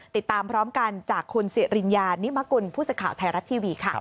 ติดตามพร้อมกันจากคุณสิริญญานิมกุลผู้สื่อข่าวไทยรัฐทีวีค่ะ